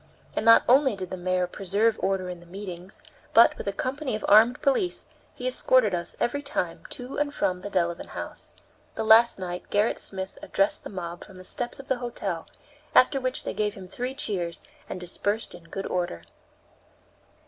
And not only did the mayor preserve order in the meetings, but, with a company of armed police, he escorted us, every time, to and from the Delevan House. The last night Gerrit Smith addressed the mob from the steps of the hotel, after which they gave him three cheers and dispersed in good order.